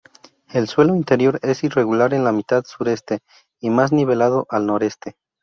El suelo interior es irregular en la mitad sureste, y más nivelado al noroeste.